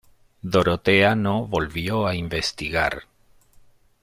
Dorotea no volvió a investigar.